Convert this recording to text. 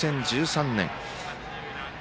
２０１３年。